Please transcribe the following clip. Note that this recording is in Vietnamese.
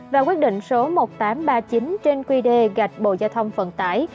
và quyết định số một nghìn tám trăm ba mươi chín trên qd gạch bộ giao thông vận tải